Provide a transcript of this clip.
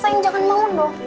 sayang jangan mau dong